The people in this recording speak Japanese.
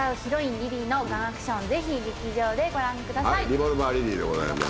『リボルバー・リリー』でございます。